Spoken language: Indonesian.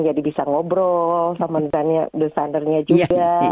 jadi bisa ngobrol sama desainernya juga